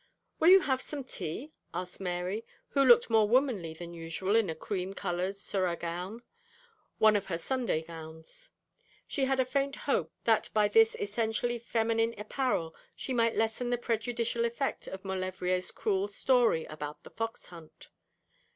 'Will you have some tea?' asked Mary, who looked more womanly than usual in a cream coloured surah gown one of her Sunday gowns. She had a faint hope that by this essentially feminine apparel she might lessen the prejudicial effect of Maulevrier's cruel story about the fox hunt.